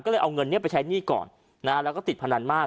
ก็เลยเอาเงินนี้ไปใช้หนี้ก่อนนะฮะแล้วก็ติดพนันมาก